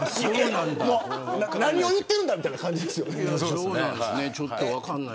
何を言ってるんだみたいなそうですね、はい。